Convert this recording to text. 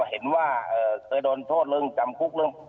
เห็นว่าเคยโดนโทษเรื่องจำคุกเรื่อง